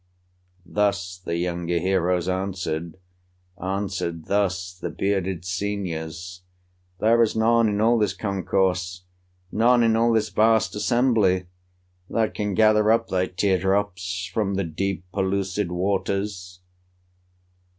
Thus the younger heroes answered, Answered thus the bearded seniors: "There is none in all this concourse, None in all this vast assembly, That can gather up thy tear drops From the deep, pellucid waters."